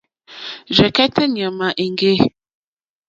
Rzɛ̀kɛ́tɛ́ ɲàmà èŋɡê.